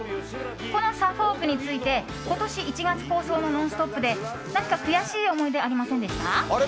このサフォークについて今年１月放送の「ノンストップ！」で何か悔しい思い出あれ？